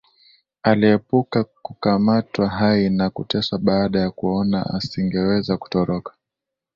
Aliepuka kukamatwa hai na kuteswa baada ya kuona asingeweza kutoroka